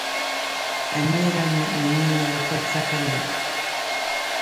أمير المؤمنين لقد سكنا